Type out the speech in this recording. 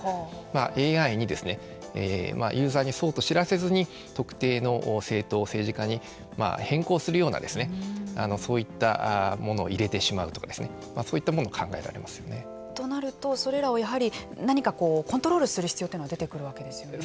ＡＩに、ユーザーにそうと知らせずに特定の政党、政治家に変更するようなそういったものを入れてしまうとかそういったものもとなるとそれらをやはり何かコントロールする必要というのが出てくるわけですよね。